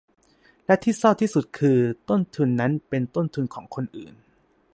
และที่เศร้าที่สุดคือ ต้นทุนนั้นเป็นต้นทุนของคนอื่น